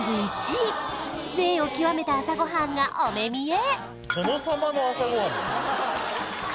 １位贅を極めた朝ごはんがお目見え！